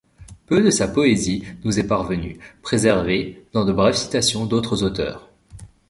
Peu de sa poésie nous est parvenue, préservée dans de brèves citations d'autres auteurs.